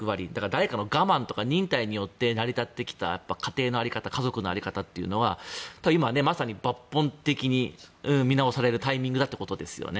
誰かの我慢とか忍耐によって成り立ってきた家庭の在り方家族の在り方というのが今まさに抜本的に見直されるタイミングだということですよね。